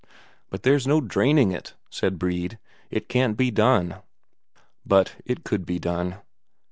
"But there's no draining it," said Brede.... "It can't be done." But it could be done.